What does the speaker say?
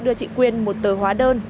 đưa chị quyên một tờ hóa đơn